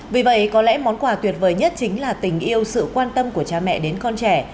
vì vậy có lẽ món quà tuyệt vời nhất chính là tình yêu sự quan tâm của cha mẹ đến con trẻ